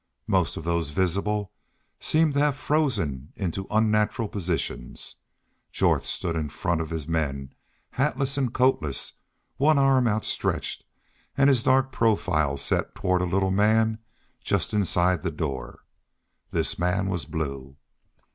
Most of those visible seemed to have been frozen into unnatural positions. Jorth stood rather in front of his men, hatless and coatless, one arm outstretched, and his dark profile set toward a little man just inside the door. This man was Blue.